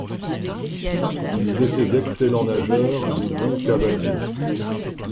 Ils étaient d'excellents nageurs et bons cavaliers.